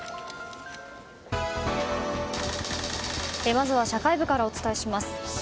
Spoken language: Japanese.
まずは社会部からお伝えします。